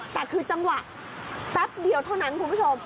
แต่คือจังหวะแป๊บเดียวเท่านั้นคุณผู้ชม